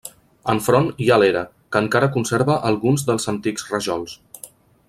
Enfront hi ha l'era, que encara conserva alguns dels antics rajols.